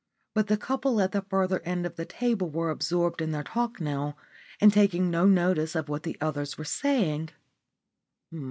But the couple at the further end of the table were absorbed in their talk now and taking no notice of what the others were saying.